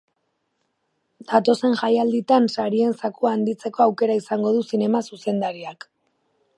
Datozen jaialditan sarien zakua handitzeko aukera izango du zinema zuzendariak.